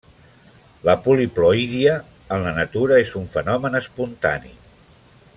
La poliploïdia, en la natura, és un fenomen espontani.